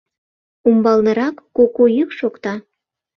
Умбалнырак куку йӱк шокта.